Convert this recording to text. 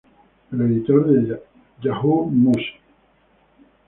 El editor de "Yahoo Music!